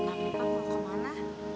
mbak pipa mau kemana